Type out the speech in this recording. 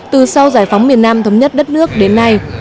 từ sau giải phóng miền nam thống nhất đất nước đến nay